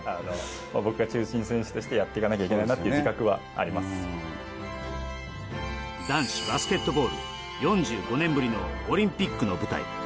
僕が中心選手としてやっていかなきゃなという男子バスケットボール４５年ぶりのオリンピックの舞台。